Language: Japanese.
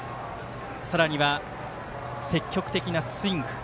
さらには、積極的なスイング。